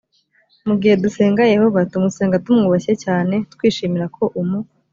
mu gihe dusenga yehova tumusenga tumwubashye cyane twishimira ko umu